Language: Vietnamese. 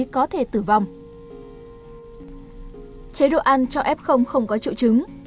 chế độ ăn cho f không có trụ trứng